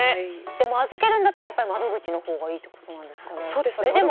でも、預けるんだったら窓口のほうがいいということですかね。